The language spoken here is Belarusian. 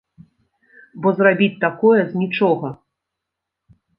Бо зрабіць такое з нічога!